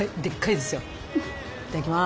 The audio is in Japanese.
いただきます！